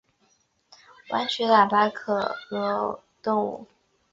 弯曲喇叭口螺为虹蛹螺科喇叭螺属的动物。